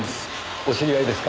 お知り合いですか？